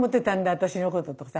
私のこととかさ